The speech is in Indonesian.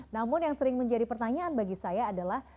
namun yang sering menjadi pertanyaan bagi saya adalah